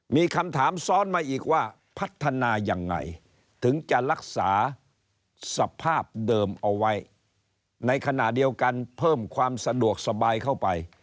มีคำถามซ้อนมาอีกว่าผัดธนายังไงถึงจะรักษาสภาพเดิมเอาไว้